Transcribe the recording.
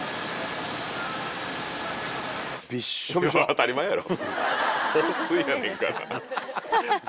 当たり前やろ。